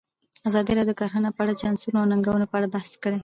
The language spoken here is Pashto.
ازادي راډیو د کرهنه په اړه د چانسونو او ننګونو په اړه بحث کړی.